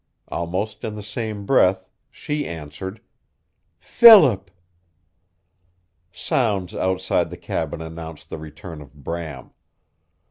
Almost in the same breath she answered: "Philip!" Sounds outside the cabin announced the return of Bram.